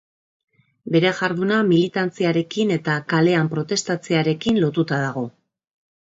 Bere jarduna militantziarekin eta kalean protestatzearekin lotuta dago.